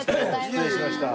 失礼しました。